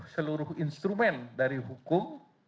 seluruh instrumen dari hukum